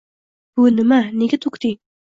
– Bu nima, nega to‘kding?!.